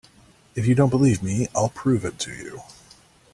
If you don't believe me, I'll prove it to you!